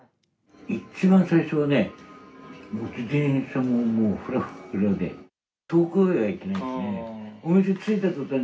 一番最初はね、自転車もふらふらで、遠くへは行けないですね。